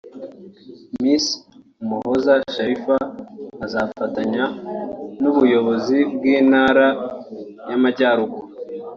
Miss Umuhoza Sharifa azafatanya n’Ubuyobozi bw’Intara y’Amajyaruguru